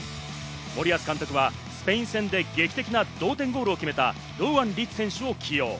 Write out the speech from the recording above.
森保監督はスペイン戦で劇的な同点ゴールを決めた、堂安律選手を起用。